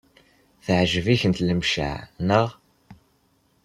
Teɛjeb-ikent Lemceɛ, naɣ?